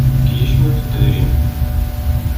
Efk-iyi cwiṭ n tedrimt.